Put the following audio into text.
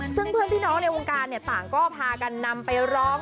ซึ่งเพื่อนพี่น้องในวงการต่างก็พากันนำไปร้อง